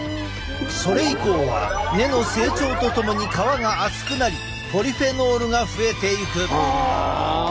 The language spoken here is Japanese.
それ以降は根の成長とともに皮が厚くなりポリフェノールが増えていく。